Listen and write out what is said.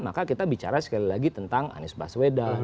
maka kita bicara sekali lagi tentang anies baswedan